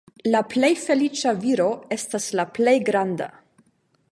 La plej feliĉa viro estas la plej granda.